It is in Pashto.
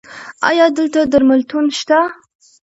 ایا دلته درملتون شته؟